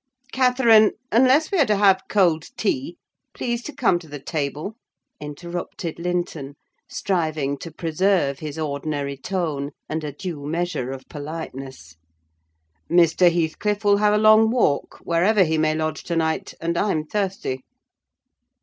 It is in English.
"Catherine, unless we are to have cold tea, please to come to the table," interrupted Linton, striving to preserve his ordinary tone, and a due measure of politeness. "Mr. Heathcliff will have a long walk, wherever he may lodge to night; and I'm thirsty."